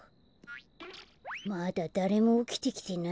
まだだれもおきてきてないね。